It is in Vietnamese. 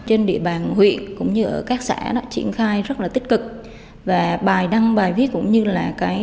trên địa bàn huyện cũng như ở các xã triển khai rất là tích cực và bài đăng bài viết cũng như là cái